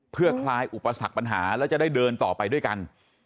เพื่อคลายอุปสรรคปัญหาแล้วจะได้เดินต่อไปด้วยกัน